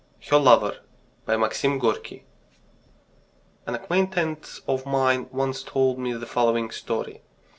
HER LOVER BY MAXIM GORKY An acquaintance of mine once told me the following story.